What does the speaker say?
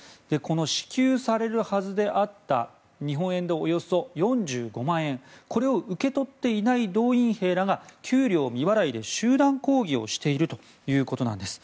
支給されるはずであった日本円でおよそ４５万円を受け取っていない動員兵らが給料未払いで集団抗議をしているということです。